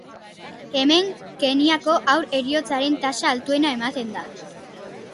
Hemen Kenyako haur heriotzaren tasa altuena ematen da.